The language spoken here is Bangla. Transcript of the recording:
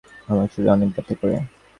আমার শরীর অনেক ব্যথা করে।